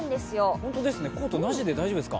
本当ですかコートなしで大丈夫ですか。